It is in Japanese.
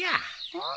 うん？